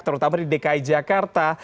terutama di dki jakarta